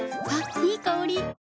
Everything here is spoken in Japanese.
いい香り。